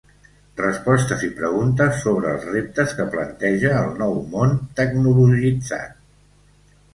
Respostes i preguntes sobre els reptes que planteja el nou món tecnologitzat.